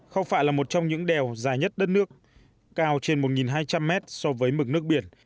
khao phạ là một trong những đèo dài nhất đất nước cao trên một hai trăm linh mét so với mực nước biển